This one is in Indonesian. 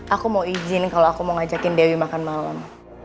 aku mau izin kalau aku mau ngajakin dewi makan malam